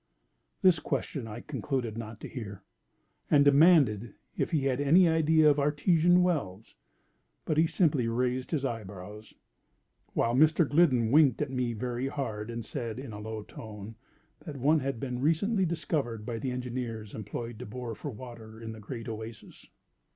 This question I concluded not to hear, and demanded if he had any idea of Artesian wells; but he simply raised his eyebrows; while Mr. Gliddon winked at me very hard and said, in a low tone, that one had been recently discovered by the engineers employed to bore for water in the Great Oasis.